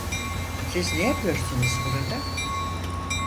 Siz ne yapıyorsunuz burada?